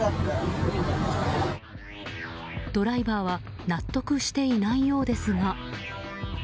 ドライバーは納得していないようですが。